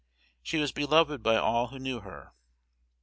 She was beloved by all who knew her.